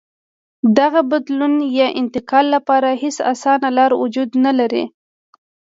دغه بدلون یا انتقال لپاره هېڅ اسانه لار وجود نه لري.